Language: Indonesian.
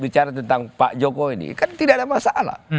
bicara tentang pak jokowi ini kan tidak ada masalah